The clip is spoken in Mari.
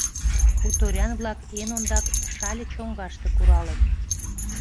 Хуторян-влак эн ондак Шале чоҥгаште куралыт.